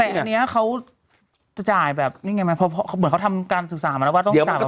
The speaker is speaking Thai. แต่อันนี้เขาจะจ่ายแบบนี่ไงไหมเพราะเหมือนเขาทำการศึกษามาแล้วว่าต้องจ่าย